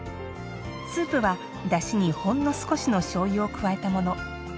スープは、だしに、ほんの少しのしょうゆを加えたもの。